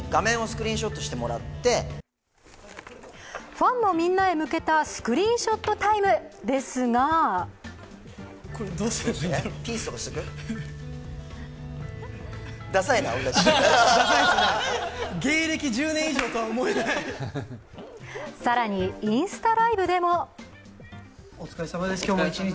ファンのみんなに向けたスクリーンショットタイムですが更に、インスタライブでもお疲れさまです、今日も一日。